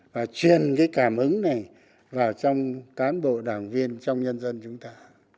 và truyền cái cảm ứng này vào trong cán bộ đảng viên trong nhân dân chúng ta